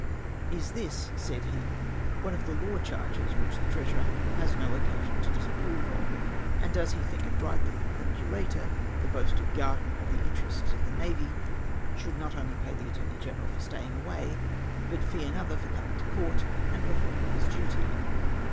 " Is this," said he, "' one of the law charges which the treasurer has no occasion to disapj^rove of? And does he think it right that the procurator, the boasted guardian of the interests of the navy, should not only jjay the attorney general for staying away, but fee another for coming to court, and performing his duty